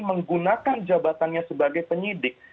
menggunakan jabatannya sebagai penyidik